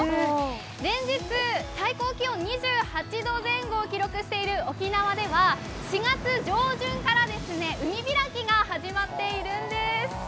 連日最高気温２８度前後を記録している沖縄では４月上旬から海開きが始まっているんです。